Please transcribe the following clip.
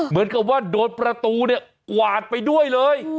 เหมือนกับว่าโดนประตูเนี่ยกวาดไปด้วยเลย